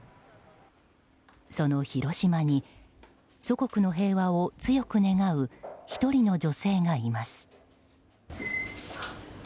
その広島に祖国の平和を強く願う１人の女性がいます。